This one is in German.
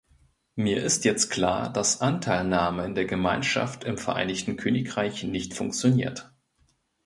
Mir ist jetzt klar, dass Anteilnahme in der Gemeinschaft im Vereinigten Königreich nicht funktioniert.